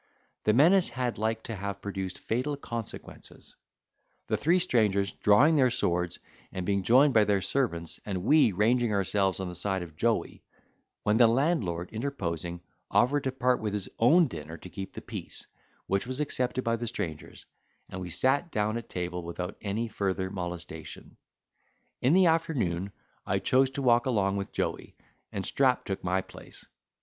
The menace had like to have produced fatal consequences; the three strangers drawing their swords, and being joined by their servants, and we ranging ourselves on the side of Joey; when the landlord, interposing, offered to part with his own dinner to keep the peace, which was accepted by the strangers; and we sat down at table without any further molestation. In the afternoon, I chose to walk along with Joey, and Strap took my place.